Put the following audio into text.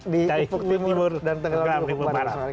di ipuk timur dan tenggelam di ipuk barat